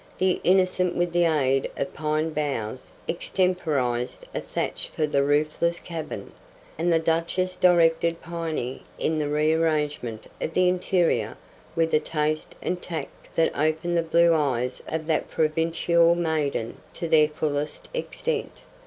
The Innocent with the aid of pine boughs extemporized a thatch for the roofless cabin, and the Duchess directed Piney in the rearrangement of the interior with a taste and tact that opened the blue eyes of that provincial maiden to their fullest extent.